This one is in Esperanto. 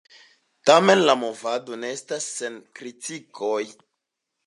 Tamen la movado ne estas sen kritikoj.